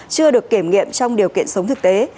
chưa được kiểm nghiệm trong điều kiện sống thực tế